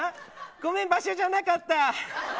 ごめん、場所じゃなかった。